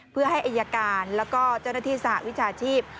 เพื่อให้อายการแล้วก็เจ้าหน้าที่สหวิชาชีพ